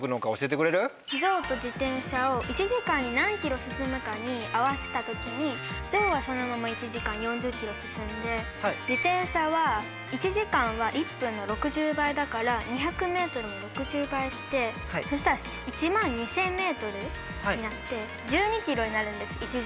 ゾウと自転車を１時間に何ｋｍ進むかに合わせた時にゾウはそのまま１時間４０ｋｍ進んで自転車は１時間は１分の６０倍だから２００ｍも６０倍してそしたら１万２０００ｍになって１２ｋｍになるんです１時間。